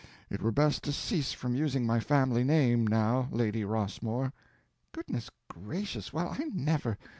It were best to cease from using my family name, now, Lady Rossmore." "Goodness gracious, well, I never!